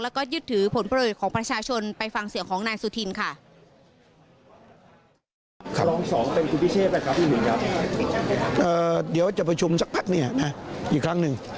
แล้วก็ยึดถือผลประโยชน์ของประชาชนไปฟังเสียงของนายสุธินค่ะ